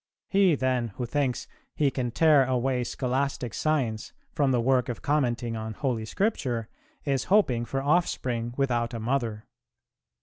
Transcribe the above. He, then, who thinks he can tear away Scholastic Science from the work of commenting on Holy Scripture is hoping for offspring without a mother."